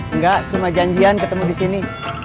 enggak cuma janjian ketemu di sini